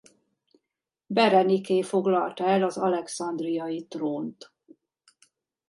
Bereniké foglalta el az alexandriai trónt.